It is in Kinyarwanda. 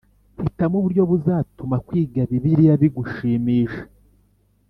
Hitamo uburyo buzatuma kwiga Bibiliya bigushimisha